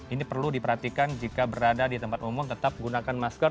ini perlu diperhatikan jika berada di tempat umum tetap gunakan masker